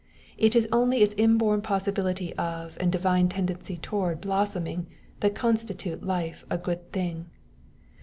It is only its inborn possibility of and divine tendency toward blossoming that constitute life a good thing.